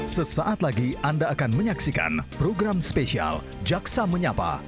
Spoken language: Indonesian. sesaat lagi anda akan menyaksikan program spesial jaksa menyapa